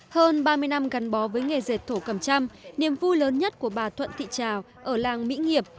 hơn ba mươi năm gắn bó với nghề dệt thổ cầm trăm niềm vui lớn nhất của bà thuận thị trào ở làng mỹ nghiệp